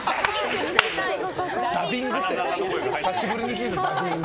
ダビングって久しぶりに聞いた。